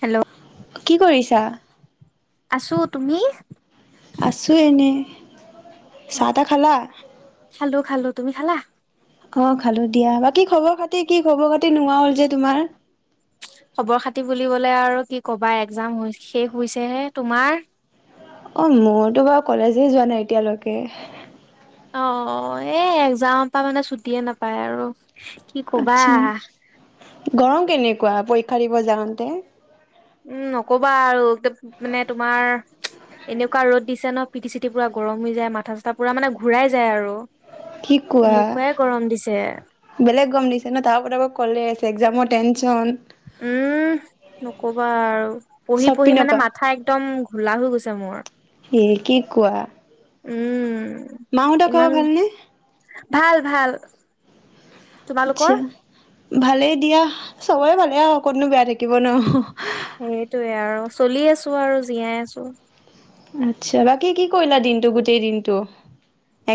Hello কি কৰিছা আছো তুমি আছো এনেই অ ছা তা খালা খালো খালো তুমি খালা অ খালো দিয়া বাকী খবৰ খাতি কি খবৰ খাতি নোহোৱা হ'ল যে তোমাৰ খবৰ খাতি বুলিবলে আৰু কি কবা এক্জাম শেষ হৈছে হে তোমাৰ অ মোৰতো বাৰু কলেজে যোৱা নাই এতিয়ালৈকে অ এই এক্জামৰ পৰা মানে ছুটীয়ে নাপায় আৰু কি কবা আত্‌ছা গৰম কেনেকুৱা পৰীক্ষা দিব যাওঁতে উম নকবা আৰু মানে তোমাৰ এনেকুৱা ৰ'দ দিছে ন পিটি চিটি পুৰা গৰম হৈ যায় মাথা চাথা পুৰা মানে ঘূৰাই যায় আৰু কি কোৱা এনেকুৱাই গৰম দিছে বেলেগ গম দিছে ন তাহ ক তাব কলে আছে এক্জামত টেন উম নকবা আৰু পঢ়ি চব পঢ়ি পিনৰ মানে পৰা। মাথা একদম ঘোলা হৈ গৈছে মোৰ এ উম মাহঁত খব ইমান ভালনেে ভাল ভাল আচ্ছা। তোমালোকৰ ভালেই দিয়া সবৰে ভালে আৰু অকনো বেয়া থাকিব ন সেইটোৱে আৰু চলি আছো আৰু জীয়াই আছো। আচ্ছা বাকী কি কৰিলা দিনটো গোটেই দিনটো?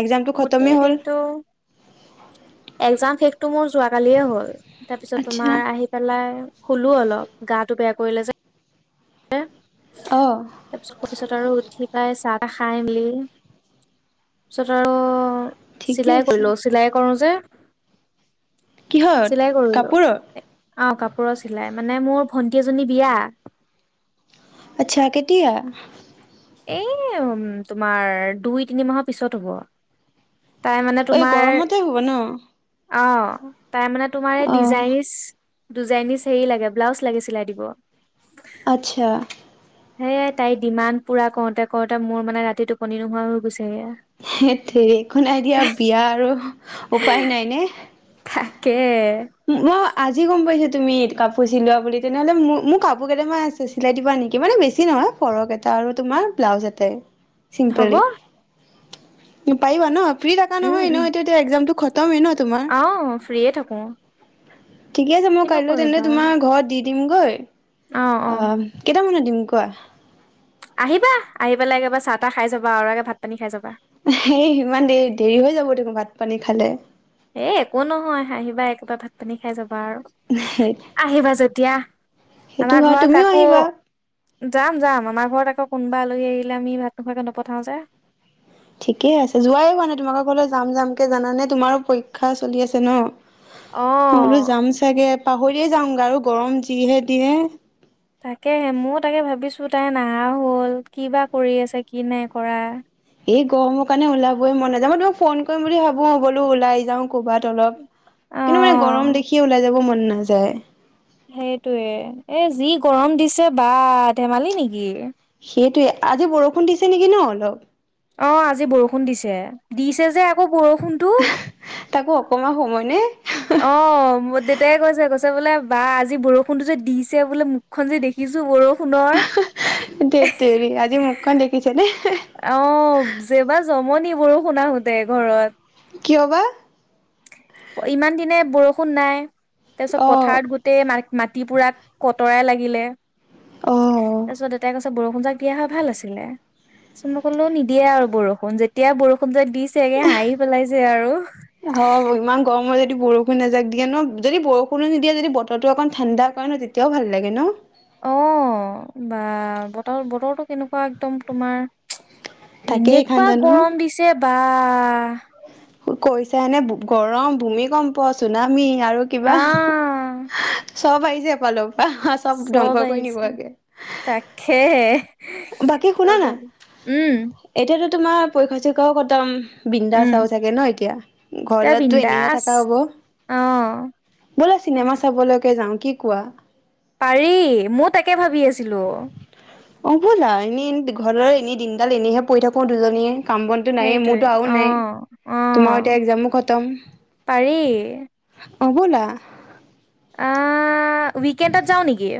এক্জামটো খতমেই গোটেই হ'ল। দিনতটো একজাম শেষতটো মোৰ যোৱাকালিয়ে হ'ল তাৰ পিছত আচ্ছা তোমাৰ আহি পেলাই শুলো অলপ গাটো বেয়া কৰিলে যে অঁ তাৰপিছত তোৱাৰ পিছত আৰু উঠি পাই চাহ খাই মেলি তাৰ পিছত আৰু ঠিকেই চিলাই আছে কৰিলো চিলাই কৰো যে কিহত চিলাই কৰিলো কাপোৰৰ? অ', কাপোৰৰ চিলাই মানে মোৰ ভন্টি এজনী বিয়া। আচ্ছা কেতিয়া? এই উম, তোমাৰ দুই তিনি মাহৰ পিছত হ'ব। তাই মানে অই তোমাৰ গৰমতে হ'ব ন'? অ'। তাৰ মানে তোমাৰ এই অঁ ডিজাইনচ দুজাইনছ হেৰি লাগে ব্লাউজ লাগে চিলাই দিব। আচ্ছা। সেয়ে তাইৰ ডিমাণ্ড পুৰা কৰোতে কৰোতে মোৰ মানে ৰাতিটো টোপনি নোহোৱা হৈ গৈছে। হে তেৰি একো নাই দিয়া বিয়া আৰু। উপায় নাই নে। থাকে। মই আজি গম পাইছো। তুমি কাপোৰ চিলোৱা বুলি তেনেহ'লে মোৰ মোৰ কাপোৰ কেইটামান আছে চিলাই দিবা নেকি মানে বেছি নহয় ফৰক এটা আৰু তোমাৰ ব্লাউজ এটাই? হ'ব চিংপালি পাৰিবা ন'? ফ্ৰী থাকা উম নহয় এনেহ উম এতি এক্জামটো খতমেই ন তোমাৰ। অ', ফ্ৰিয়ে থাকো। ঠিকে আছে মই কিনো কাইলৈ তেন্তে কৰিবা আৰু তোমাৰ ঘৰত দি ডিমগৈ অ', কেইটামানত নিমকুৱোৱা আহিবা আহি পেলাই একেবাৰে চাহ তাহ খাই যাবা আৰু আগে ভাত পানী খাই যাবা। এ ইমান দেৰি দেৰি হৈ যাব দেখোন ভাত পানী খালে। এ একো নহয় হাঁহিবা একেটাথাক পানী খাই যাব। আহিবা যেতিয়া সেইটো আমাৰ হয় ঘৰত তুমিও কাকো আহিবা। যাম, যাম আমাৰ ঘৰত আকৌ কোনোবা আলহী আহিলে আমি ভাত নোখোৱাকে নপঠাও যে। ঠিকে আছে, যোৱাই হোৱা নাই তোমালোকৰ ঘৰলে যাম যাম কে জানানে তোমাৰো পৰীক্ষা কথা চলি আছে ন, অ মই বোলো যাম চাগৈ পাহৰিয়ে যাাম গাৰু গৰম যিহে দিয়ে। তাকে ময় তাকে ভাবিছো তাই নাহা হল, কি বা কৰি আছে কি নাই কৰা। এই গৰমৰ কাৰণে ওলাবই মন নাযায় মই তোমাক ফোন কৰিম বুলি ভাবো বোলো ওলাই যাওঁ ক'বাত অলপ। কিন্তু মানে অ গৰম দেখিয়ে ওলাই যাব মন নাযায় সেইটয়ে এ যি গৰম দিছে বা ধেমালি নেকি, সেইটোৱে আজি বৰষুণ দিছে নেকি ন অলপ, অ আজি বৰষুণ দিছে। দিছে যে আকৌ বৰষুণ তাকো অকণমান সময় নে, অ মোৰ দেউতাই কৈছে কৈছে বোলে বা আজি বৰষুণটো যে দিছে বোলে মুখখনন যে দেখিছো বৰষুণ সোণৰ, ধেত তেৰি আজি মুখখন দেখিছেনে? আহ জেবা জম নি গৰু শুনা সুতে ঘৰত কিয়বা? ইমান দিনে বৰষুণ নাই। তাৰ পিছত অ পথাৰত গোটেই মা মাটি পোৰাক কতৰাই লাগিলে। অ তাৰপিছত দেউতাই কৈছে বৰষু বৰু যাক দিয়া হয় ভাল আছিলে। চ মই কলো নিদিয়ে আৰু বৰষুণ যেতিয়া বৰষুণ যে দিছেগে হাঁহি পেলাইছে আৰু। হ ইমান গৰমত যদি বৰষুণ নাযাক দিয়ে ন, যদি বৰষুণো নিদিয়ে যদি বতৰটো অকণ ঠাণ্ডা কৰে ন তেতিয়াও ভাল লাগে ন, অ, বা বতৰ বতৰটো কেনেকুৱা একদম তোমাৰ। তাকেই এইখন এনেকুৱা জানো গৰম দিছে বা। আ। কৈছা এনে গৰম, ভূমিকম্প, চুনামি। আৰু কিবা আহ। চব আহিছে, পালো। চব আহিছে, তাকেহে। বাকী চব শুনা ধ না। উম এতিয়াতো। তোমাৰ পৰীক্ষা চৰীক্ষা ও খটম। বিন্দাচ উম আও চাগে ন এতিয়া। তই ঘৰলে তো এনেইহে বিন্দাস থকা অ', হ'ব। বলা চিনেমা চাবলৈকে যাওঁ। কি কোৱা? পাৰি, মোৰ তাকে ভাবি আছিলো। অ বলা, এনেই ঘৰৰ এনেই দিনডাল এনেইহে পৰি থাকো দুজনীয়ে। কাম বনতটো নায়েই, সেইটোৱে মোৰতো আৰু নাই। অ', তোমাৰ এতিয়া অ', এক্জামো খতম। পাৰি অ ব'লা। অ। উইকেণ্ডত যাও নেকি?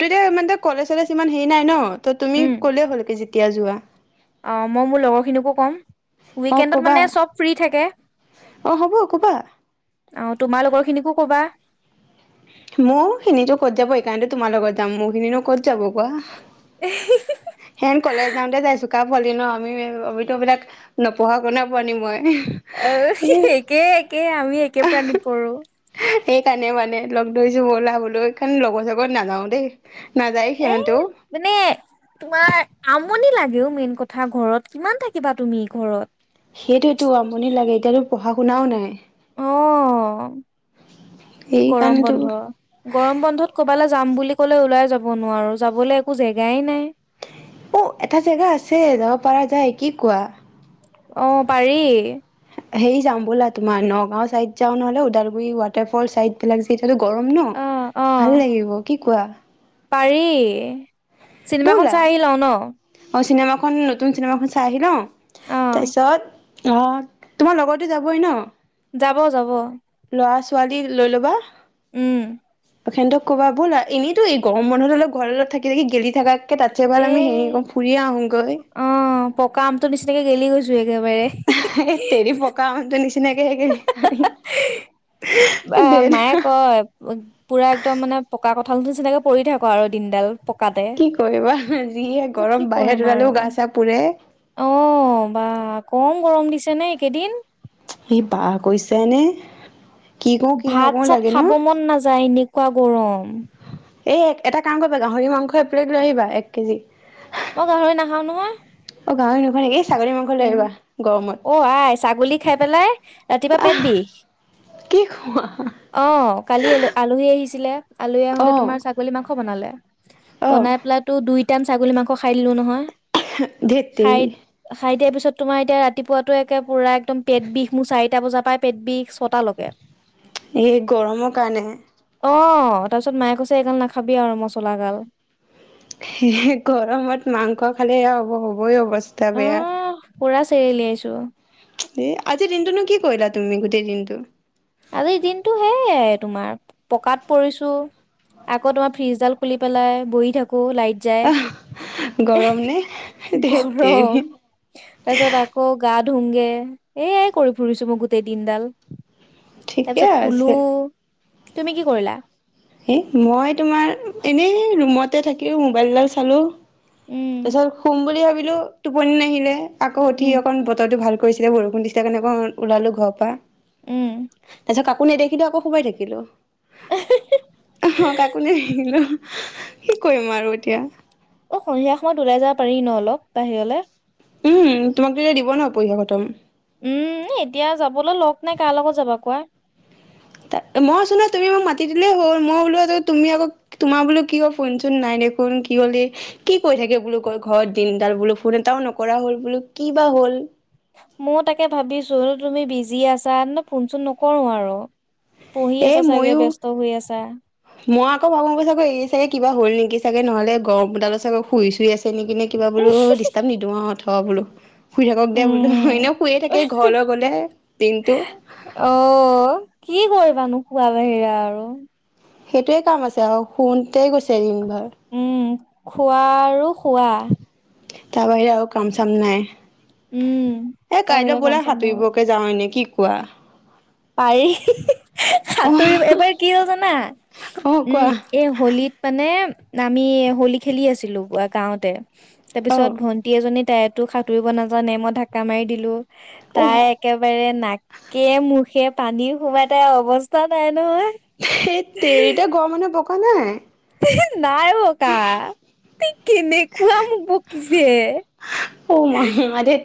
তেতিয়া ইমানটা কলেজ চলেজ ইমান হেৰি নাই ন। তুমি উম ক'লে হ'ল কি তিয়া যোৱা অ মই মোৰ লগৰখিনিকো ক'ম, অ উইকেণ্ডত ক'বা মানে চব ফ্ৰী থাকে। অ হ'ব ক'বা। অহ, তোমাৰ লগৰ খিনিকো কবা। মো খিনিতো ক'ত যাব! সেইকাৰণেত তোমাৰ লগত যাম মোৰ খিনো ক'ত যাব কোৱা। [unintelligible] হেন কলেজ যাওঁতে যাই চোকা পোৱালি ন, আমি আমিতো এইবিলাক নপঢ়াৰ কোনে পোৱালি মই। অহ, এ একে, একে। আমি একে প্ৰাণীত পৰো। সেইকাৰণে মানে লগ ধৰিছো বলা বোলে সেইকাৰণে লগৰ চগত নাযাও দেই। নাযায় এ সিহঁতেও। মানে তোমাৰ আমনি লাগেও মেইন কথা ঘৰত, কিমান থাকিবা তুমি ঘৰত। সেইটোৱেটো, আমনি লাগে। এতিয়াতো পঢ়া শুনাও নাই। অহ গৰম সেইকাৰণেতো বন্ধ গৰম বন্ধত ক'বালে যাম বুলি ক'লেও ওলাই যাব নোৱাৰো যাবলৈ একো জেগাই নাই। অ এটা জেগা আছে যাব পাৰা যায় কি কোৱা? অ পাৰি। হেইৰি যাম ব'লা তোমাৰ নগাঁও ছাইদ যাওঁ নহ'লে উদালগুৰি ৱাটাৰ ফল চাইদ বিলাক যিহেতু এতিয়াটো গৰম ন অ' অ' ভাল লাগিব কি কোৱা? পাৰি। চিনেমাখন ব'লা চাই আহি লওঁ ন? অ চিনেমাখন নতুন চিনেমাখন চাই আহি লওঁ। অ' তাৰপিছত অ তোমাৰ লগৰটো যাবই ন? যাব যাব। ল'ৰা ছোৱালী লৈ ল'বা। উম। প্ৰখেনতক ক'বা বলা এনেইটো এই গৰম বন্ধ ডালত ঘৰ ডালত থাকি থাকি গেলি থাকাত- তাতছে এ [unintelligible] আমি হেৰি ক অ পকা আমটো নিচিনাকে গেলি- লি গৈছোৱে এ তেৰি পকা আমটোৰ নিচি- চিনাকে দে বা দে মায়ে কয় পুৰা একদম মানে পকা কঁঠালটোৰ নিচিনাকে পৰি থাক আৰু দিনডাল। পকাতে কি কৰিবা যিহে তাৰপিছত কি গৰম কৰিম বাহিৰত আৰু ওলালেও গা চা পুৰে। অ বা কম গৰম দিছে নে? একেইদিন ই বাহ কৈছানে? ভাত চাত খাব মন নাযায় এনেকুৱা গৰম। এই এটা কাম কৰিবা গাহৰি মাংস এক পিলেট লৈ আহিবা এক কেজি। মই গাহৰি নাখাওঁ নহয়। অ গাহৰি নোখোৱা নেকি? ছাগলী মাংস লৈ আহিবা ই। অ আই ছাগলী খাই পেলাই ৰাতিপুৱা আহ পেটবিষ। কি খোৱা অহ কালি আলহী আহিছিলে। আলহী অ আহোতে তোমাৰ ছাগলী মাংস বনালে। অ বনাই পেলাতো দুই।। টাইম ছাগলী মাংস খাই দিলো নহয়। ধেত তেৰি। তাৰ পিছত তোমাৰ এতিয়া।। ৰাতিপুৱাতো একে পুৰা একদম পেট বিষ মোৰ চাৰিটা বজাৰ পৰাই পেট বিষ। ছটালৈকে এই গৰমৰ কাৰণেহে। অ তাৰপিছত মায়ে কৈছে এইগাল নাখাবি আৰু মছলাগাল হে গৰমত মাংস। খালে হ'ব হ'বই অৱস্থা বেয়া। পোৰা চেৰিলিয়াইছোঁ। এ আজিৰ দিনটোনো কি কৰিলা তুমি গোটেই দিনটো। আজিৰ দিনতটো সেইয় তোমাৰ পকাত পৰিছো আকৌ তোমাৰ ফ্ৰিজডাল খুলি পেলাই বহি থাকো। আকৌ লাইট যায় আহ গৰম নে এইহ ধেৎ তেৰি গৰম তাৰপিছত আকৌ গাতত। ধুংগে এয়াই কৰি ফুৰিছো মই গোটেই দিনডাল তাৰ ঠিকে পিছত শুলো আছে। তুমি কি কৰিলা। হে মই তোমাৰ এনেই ৰুমতে থাকি মোবাইলডাল চালো। উম তাৰপাছত খুম বুলি ভাবিলো। হেল্ল' টোপনি নাহিলে। আকৌ উঠি উম অকণ বতৰটো ভাল। কৰিছিলে বৰষুণ দিছিলে কাৰণে আকৌ ওলালো ঘৰ পৰা। উম। ত কাকো নেদেখিলোঁ আকৌ সোমাই থাকিলো অ কাকো ন নেদেখিলোঁ কি কৰিম আৰু এতিয়া। অ সন্ধিয়া সময়ত ওলাই যাব পাৰি ন অলপ বাহিৰলে। উম তোমাকতো এতিয়া দিব ন পইীক্ষা খতম। উম এতিয়া যাবলৈ লগ নাই কাৰ লগত যাবা কোৱা। ত মই চুনা তুমি মাক মাতি দিলেই হ'ল মই বোলো তুমি আকৌ তোমাৰ বোলো কি ক ফোনচোন নাই দেখোন কি হ'ল কি কৈ থাকে বোলো ক ঘৰত দিনডাল বোলো ফোন এটাও নকৰা হ'ল বোলো কি বা হ'ল। মইও তাকে ভাবিছো তুমি বিজি আছা ফোন চোন নকৰো আৰু। পঢ়ি এ আছা চাগে মইও ব্যস্ত হৈ আছা। মই আকৌ ভাবো এই চাগে কিবা হল নেকি চাগে নহ'লে গৰমডাল চাগে শুইছো ধুই আছে এ নিক কিনে কিবা বোলো ডিষ্টাৰ্ব নিদিওঁ অঁ তাবলো শুই থাকক দে বোলো এনে উম। শুইয়ে থাকে ঘৰলৈ গ'লে দিনটো মানুহ খোৱা বাহিৰা আৰু সেইটোয়ে কাম আছে আৰু শুতেই গৈছে দিনবোৰ উম খোৱা আৰু খোৱা তাৰ বাহিৰেও কাম চাম নাই উম, এ তাৰ কাইলৈ বাহিৰে কাম বোলে চাম নাই। সাঁতুৰিবকে যাওঁ হয় নে কি খোৱাৰ পাৰি হি হি সাঁতুৰিব এইবাৰ কি হ'ল জানা অ', উম কোৱা এই হোলিত মানে নামি হোলী খেলি আছিলো গাওঁতে তাৰপিছত অ'। ভন্টি এজনীত তাইতো সাঁতুৰিব নাজানে মইঢাক্কা মাৰি দিলো অহ, তাই একেবাৰে নাকে মুখ সেই পানী সোমাইতাই অৱস্থা নাই নহয়। সেই তেৰতে গ মানে ব হয়োৱা নাই নাই ককা ত কেনেকুৱা মোক বকিছে অ ম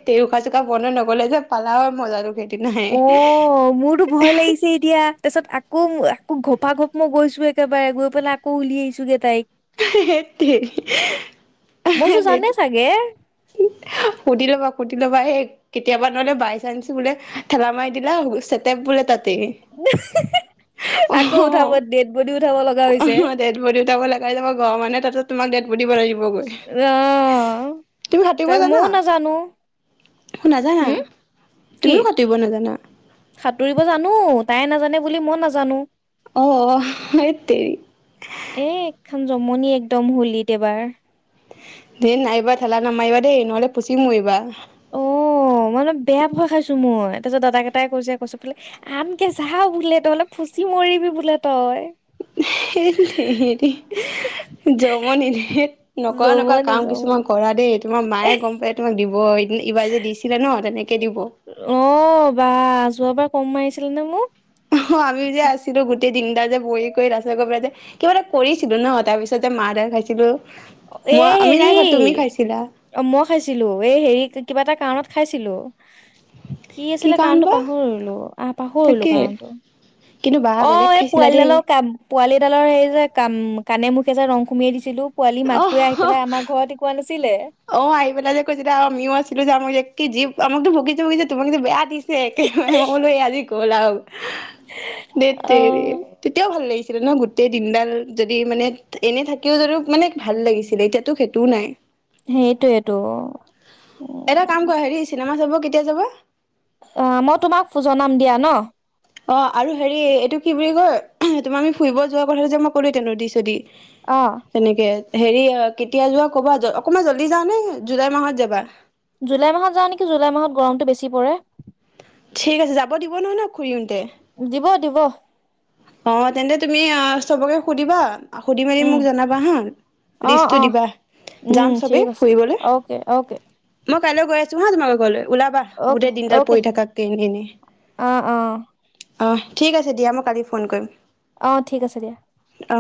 তেউকা চুকা বন্ধ ন'হলে যে পালা হয় মজাটো [unintelligible] অ মোৰতো ভয় লাগিছে এতিয়া তাৰপিছত আকৌ আকৌ ঘপা ঘপ মই গৈছো একেবাৰে গৈ পেলাই আকৌ উলিয় আহিছোগে তাইক সেইতেত মইচো [unintelligible] জানে চাগে সুধি ল'বা সুধি ল'বা হ কেতিয়াবা নহলে বাই চান্ঞ্চ বোলে ঠেলা মাৰি দিলা চেটেপ বোলে তাত আকৌ উঠাব অ', ডেড বডি উঠাব লগা হৈছে কাই মই গ মানে তা তোমা ডেট দিব ল আহিব [unintelligible] আহ তুমি কাটিব জানা নাজানা হম কি তুমিও কাটিব নাজানা সাঁতুৰিব জানো তাই নাজানে বুলি মই নাজানো অ আ্তৰি এ এখন জমনি একদম হোলিত এবাৰ দেই নাইবা ঠেলা নামাৰিবা দেই নহ'লে পুচিম এইবা অ', মই অলপ বেয়া ভয় খাইছো মই তাৰপিছত দাদা কেইটাই কৈছে কৈছো বোলে আনকে চা বোলে তই অলপ ফুচি মৰিবি বোলে তই। জম নিদে নকৰা নকৰা জমনি কাম কিছুমান জমনি কৰা দেই তোমাৰ মায়ে গম পায় তোমাক দিব। হৈ এইবাৰ যে দিছিলে ন' তেনেকে দিব। অ', বা যোৱাবাৰ ফম মাৰিছিলে নে মোক। অ', আমি যে আছিলো গোটেই তিনিটা যে বৰি কৰি ল' পেলাই যে কিবা এটা কৰিছিলো ন' তাৰপিছতে যে মা দেখা পাইছিলোঁ। এ হেৰি অ', মই খাইছিলো এই হেৰি কিবা এটা কাৰণত খাইছিলোঁ। কি আছিলে কাৰণ কাৰণতটো বা পাহৰিলো অ', পাহৰিলো তাকে কাৰণটো কিন্তু বা অ', বেলেগ এই খাইছিলা দেই পোৱালিডালৰ কাম পোৱালিডালৰ হেৰি যে কাম কানে মোক এ যে ৰং সুমিয়াই দিছিলোঁ। পোৱালীৰ অ মাকটোৱে আহিপেলাই আমাৰ ঘৰতে কোৱা নাছি অ', আহি পেলাই যে কো যেতিয়া আমিও আছিলো যাম মই কি যি আমাকতো ভগিছে গিছে তুমাক কিন্তু বেয়া দিছে একেবাৰেই মই বুলু এই আজি গ'ল আৰু দে ধেৎতেৰি তেতিয়াও ভাল লাগিছ ছিলে ন' গোটেই দিনডাল যদি মানে এনে থাকিও যদিও মানে ভাল লাগিছিলে এতিয়াতো সেইটোও নাই। সেইটোয়েইটো অ'। এটা কাম কৰা হেৰি চিনেমা চাব কেতিয়া যাবা? অ', মই তোমাক জনাম দিয়া ন'। অ', আৰু হেৰি এইটো কি বুলি কয় তোমাৰ আমি ফুৰিব যোৱা কথাটো যে মই ক'লো তেনেকে এতিয়া নদিছদি অহ তেনেকে হেৰি কেতিয়া যোৱা কবা অকমান জল্দি যাওঁ নে জুলাই মাহত যাবা? জুলাই মাহত যাওঁ নেকি জুলাই মাহত গৰমটো বেছি পৰে। ঠিক আছে যাব দিব নহয় ন' খুৰি হ'তে? দিব, দিব। অ', তেন্তে তুমি অ', চবকে সুধিবা। সুধি মেলি উম মোক জনাবা হা অ লিষ্টটো অ দিবা উম যাম চবে ঠিক আছে ফুৰিবলৈ। অ'কে অ'কে মই কাইলৈ গৈ আছো হা তোমালোকৰ ঘৰলৈ। ওলাবা অ'কে গোটেই দিনদাল অ'কে পৰি থাকাত কে এনে এনে। অ অ অ', ঠিক আছে দিয়া মই কালি ফোন কৰিম। অ', ঠিক আছে দিয়া। অ'।